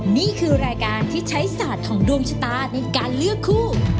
นี่คือรายการที่ใช้ศาสตร์ของดวงชะตาในการเลือกคู่